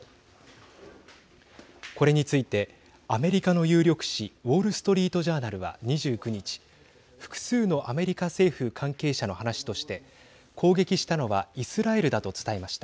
これについてアメリカの有力紙ウォール・ストリート・ジャーナルは２９日複数のアメリカ政府関係者の話として攻撃したのはイスラエルだと伝えました。